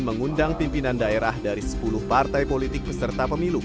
mengundang pimpinan daerah dari sepuluh partai politik peserta pemilu